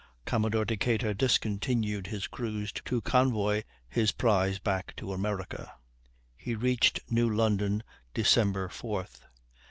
Commodore Decatur discontinued his cruise to convoy his prize back to America; they reached New London Dec. 4th.